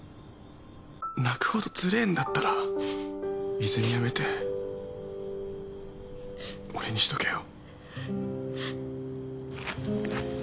泣くほどつれえんだったら泉やめて俺にしとけよ。